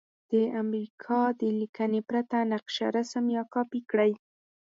د امریکا د لیکنې پرته نقشه رسم یا کاپې کړئ.